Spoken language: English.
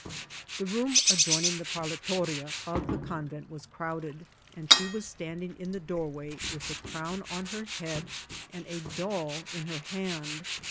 The room adjoining the parlato fia of the ccmvent was crowded, and she was standing in tiie doorway with the crown on her head and a doll in her hand.